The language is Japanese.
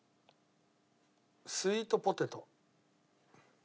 スイートポテト。